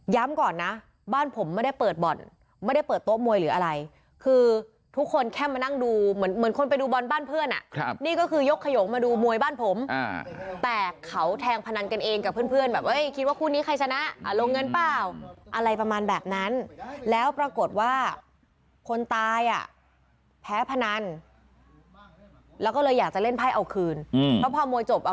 ก่อนนะบ้านผมไม่ได้เปิดบ่อนไม่ได้เปิดโต๊ะมวยหรืออะไรคือทุกคนแค่มานั่งดูเหมือนเหมือนคนไปดูบอลบ้านเพื่อนอ่ะครับนี่ก็คือยกขยงมาดูมวยบ้านผมแต่เขาแทงพนันกันเองกับเพื่อนเพื่อนแบบเอ้ยคิดว่าคู่นี้ใครชนะอ่ะลงเงินเปล่าอะไรประมาณแบบนั้นแล้วปรากฏว่าคนตายอ่ะแพ้พนันแล้วก็เลยอยากจะเล่นไพ่เอาคืนอืมเพราะพอมวยจบอ่ะ